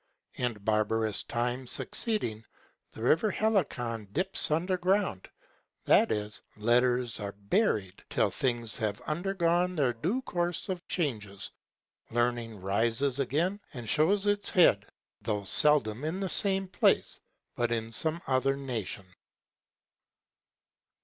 And barbarous times succeeding, the River Helicon dips under ground; that is, letters are buried, till things having undergone their due course of changes, learning rises again, and shows its head, though seldom in the same place, but in some other nation.